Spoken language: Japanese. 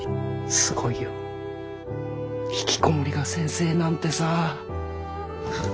すごいよひきこもりが先生なんてさ。